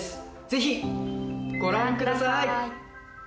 ぜひご覧ください。